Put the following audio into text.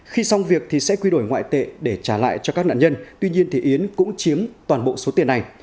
khi xong việc thì sẽ quy đổi ngoại tệ để trả lại cho các nạn nhân tuy nhiên thì yến cũng chiếm toàn bộ số tiền này